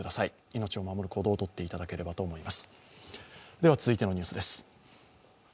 命を守る行動をとっていただければと思います。